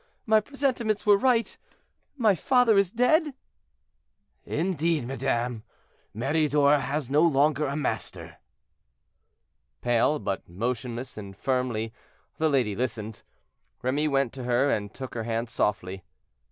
my presentiments were right; my father is dead?" "Indeed, madame, Meridor has no longer a master." Pale, but motionless and firmly, the lady listened; Remy went to her and took her hand softly.